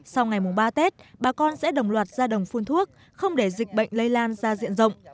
sau ngày mùng ba tết bà con sẽ đồng loạt ra đồng phun thuốc không để dịch bệnh lây lan ra diện rộng